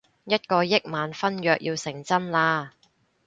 一個億萬婚約要成真喇